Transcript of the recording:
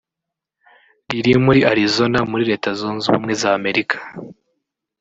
Riri muri Arizona muri Leta Zunze Ubumwe z’Amerika